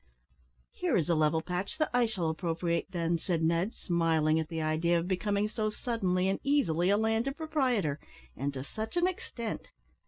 "Here is a level patch that I shall appropriate, then," said Ned, smiling at the idea of becoming so suddenly and easily a landed proprietor and to such an extent.